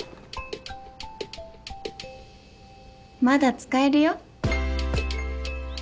まだ使えるよ。